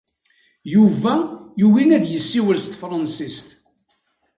Yuba yugi ad yessiwel s tefṛensist.